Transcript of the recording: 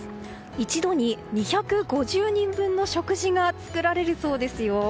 一度に２５０人分の食事が作られるそうですよ。